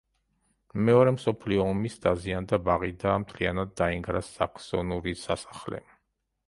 მეორე მსოფლიო ომის დაზიანდა ბაღი და მთლიანად დაინგრა საქსონური სასახლე.